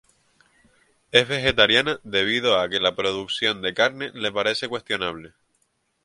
Es vegetariana debido a que la producción de carne le parece cuestionable.